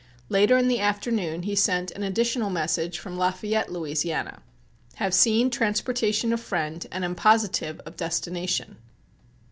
Later in the afternoon he sent an additional message from Lafayette, Louisiana: Have seen transportation of friend and am positive of destination.